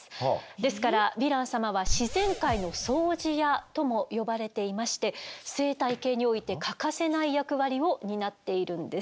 ですからヴィラン様は「自然界の掃除屋」とも呼ばれていまして生態系において欠かせない役割を担っているんです。